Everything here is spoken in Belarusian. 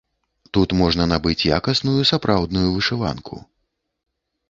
Тут можна набыць якасную сапраўдную вышыванку.